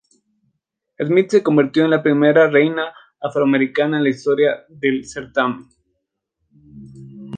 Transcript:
Smith se convirtió en la primera reina afroamericana en la historia del certamen.